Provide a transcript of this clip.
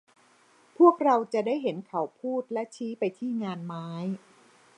พวกเราจะได้เห็นเขาพูดและชี้ไปที่งานไม้